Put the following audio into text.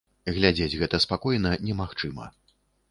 Глядзець гэта спакойна немагчыма.